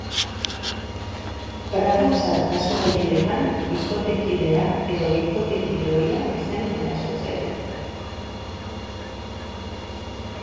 Tratu txar kasu gehienetan bikotekidea edo bikotekide ohia zen erasotzailea.